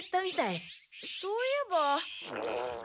そういえば。